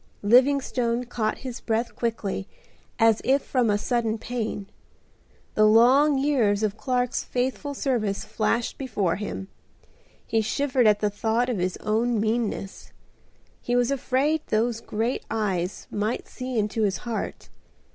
Livingstone caught his breath quickly as if from a sudden pain. The long years of Clark's faithful service flashed before him. He shivered at the thought of his own meanness. He was afraid those great eyes might see into his heart.